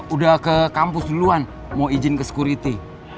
udah ke kampus duluan mau izin ke security